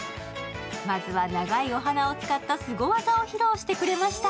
まずは長いお鼻を使ったすご技を披露してくれました。